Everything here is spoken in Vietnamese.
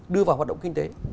đưa vào hoạt động kinh tế